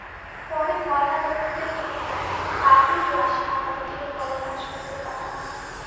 পরে ময়নাতদন্তের জন্য রাতেই লাশ ঢাকা মেডিকেল কলেজ হাসপাতালে পাঠানো হয়।